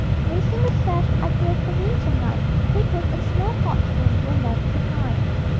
_ Raising the sash, I breathed the winter night: Papers and small hot room were left behind.